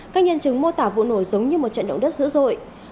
các nhân chứng mô tả vụ nổ giống như một trận động đất dữ dội